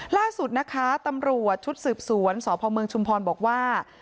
ล่าสุดตำรวจชุดศึกษวนสพชำพรบอกว่า